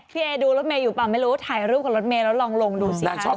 พี่เอดูรถเมย์ไม่รู้ถ่ายรูปกับรถเมย์แล้วลองดูสิครับ